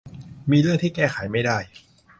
มีเรื่องที่แก้ไขไม่ได้